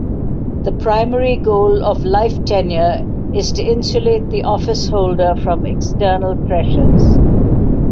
The primary goal of life tenure is to insulate the officeholder from external pressures.